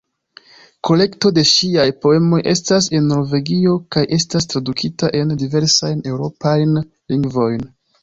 Kolekto de ŝiaj poemoj estas en Norvegio kaj estas tradukita en diversajn eŭropajn lingvojn.